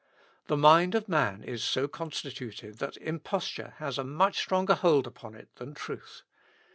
The mind of man is so constituted that imposture has a much stronger hold upon it than truth.